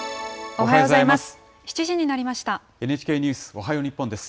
おはようございます。